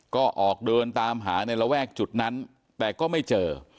ก็ออกเดินตามหาในระแวกจุดนั้นแต่ก็ไม่เจอ